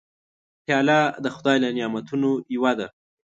پیاله د خدای له نعمتونو یوه ده.